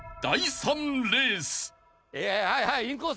はいはい。